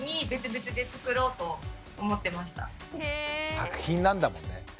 作品なんだもんね。